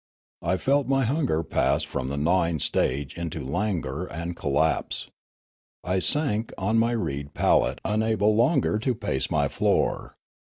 I felt my hunger pass from the gnawing stage into languor and collapse. I sank on my reed pallet unable longer to pace my floor.